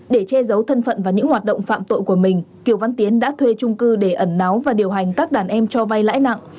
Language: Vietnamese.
để che giấu thân phận và những hoạt động phạm tội của mình kiều văn tiến đã thuê trung cư để ẩn náu và điều hành các đàn em cho vay lãi nặng